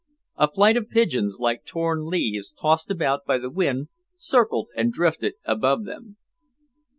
A flight of pigeons, like torn leaves tossed about by the wind, circled and drifted above them.